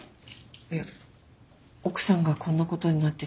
いや奥さんがこんなことになってて。